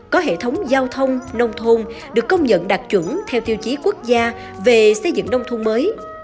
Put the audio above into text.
có hệ thống giao thông nông thôn được công nhận đạt chuẩn theo tiêu chí quốc gia về xây dựng nông thôn mới